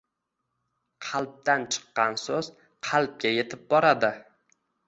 Qalbdan chiqqan so‘z qalbga yetib boradi.